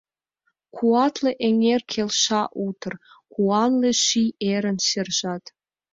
Куатле эҥер келша утыр, Куанле ший ерын сержат.